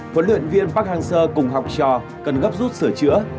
huấn luyện viên park hang seo cùng học trò cần gấp rút sửa chữa